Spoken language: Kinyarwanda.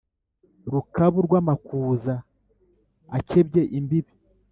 rukabu rw' amakuza akebye imbibi